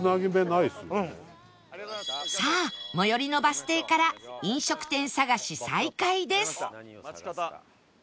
さあ最寄りのバス停から飲食店探し再開です